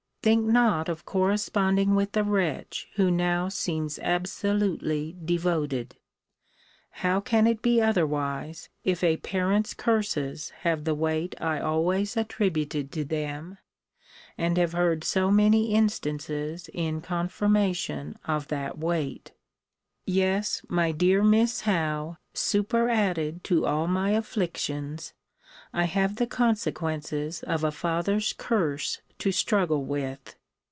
Think not of corresponding with a wretch who now seems absolutely devoted. How can it be otherwise, if a parent's curses have the weight I always attributed to them, and have heard so many instances in confirmation of that weight! Yes, my dear Miss Howe, superadded to all my afflictions, I have the consequences of a father's curse to struggle with!